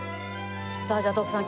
さあじゃあ徳さん